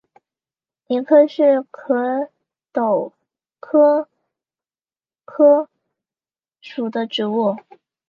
谊柯是壳斗科柯属的植物。